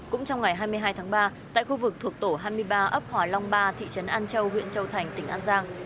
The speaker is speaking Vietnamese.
cũng trong ngày hai mươi hai tháng ba tại khu vực thuộc tổ hai mươi ba ấp hòa long ba thị trấn an châu huyện châu thành tỉnh an giang